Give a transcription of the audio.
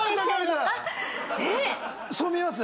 そう見えます？